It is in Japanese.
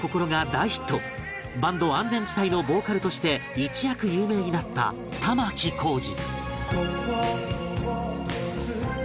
バンド安全地帯のボーカルとして一躍有名になった玉置浩二